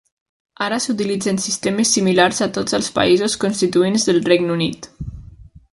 Ara s'utilitzen sistemes similars a tots els països constituents del Regne Unit.